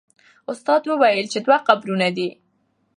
استاد وویل چې دوه قبرونه دي.